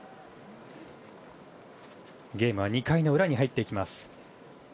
ゲームは２回の裏に入っていきます。